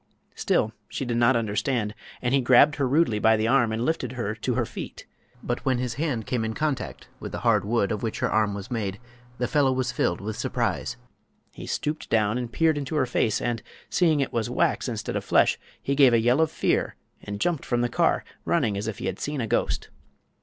Still she did not understand, and he grabbed her rudely by the arm and lifted her to her feet. But when his hand came in contact with the hard wood of which her arm was made the fellow was filled with surprise. He stooped down and peered into her face, and, seeing it was wax instead of flesh, he gave a yell of fear and jumped from the car, running as if he had seen a ghost.